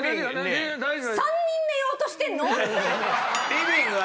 リビングは？